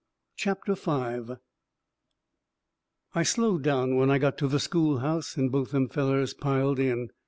CHAPTER V I slowed down when I got to the schoolhouse, and both them fellers piled in.